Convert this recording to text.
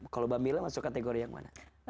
kalau bhamila masuk kategori yang mana